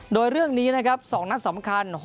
โดยเรื่องนี้๒นัดสำคัญ